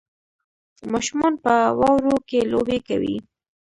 ماشومان په واورو کې لوبې کوي